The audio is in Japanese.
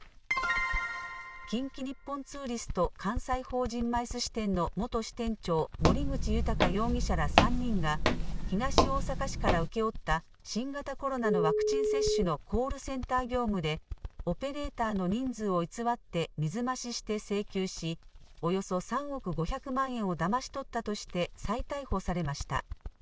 近畿日本ツーリスト関西法人ＭＩＣＥ支店の元支店長、森口裕容疑者ら３人が東大阪市から請け負った新型コロナのワクチン接種のコールセンター業務でオペレーターの人数を偽って水増しして請求し、およそ３億５００万円をだまし取ったとして再逮捕されました。